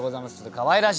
かわいらしい！